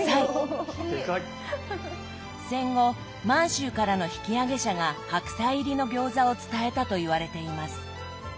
戦後満州からの引き揚げ者が白菜入りの餃子を伝えたといわれています。